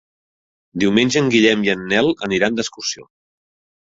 Diumenge en Guillem i en Nel aniran d'excursió.